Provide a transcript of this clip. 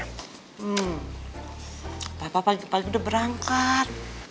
papa pagi pagi udah berangkat